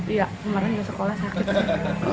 iya kemarin di sekolah sakit